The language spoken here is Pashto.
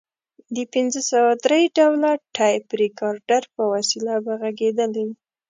د پنځه سوه درې ډوله ټیپ ریکارډر په وسیله به غږېدلې.